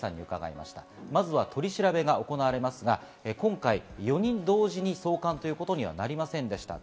まず取り調べが行われますが、今回４人同時に送還ということにはなりませんでした。